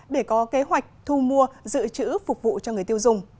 để có kế hoạch thu mua dự trữ phục vụ cho người tiêu dùng